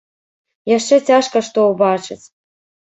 Яшчэ цяжка што ўбачыць.